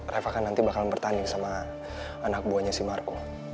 raff akan nanti bakal bertanding sama anak buahnya si marco